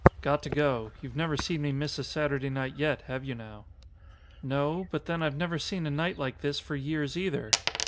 "Got to go. You've never seen me miss a Saturday night yet, have you now?" "No. But then I've never seen a night like this for years either.